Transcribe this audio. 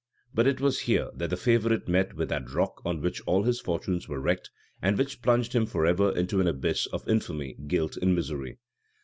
But it was here that the favorite met with that rock on which all his fortunes were wrecked, and which plunged him forever into an abyss of infamy, guilt, and misery.